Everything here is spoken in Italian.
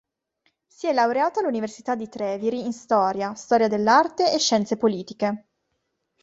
Si è laureato all'Università di Treviri in storia, storia dell'arte e scienze politiche.